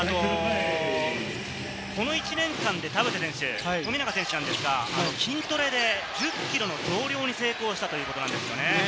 この１年間で富永選手ですが筋トレで１０キロの増量に成功したということですよね。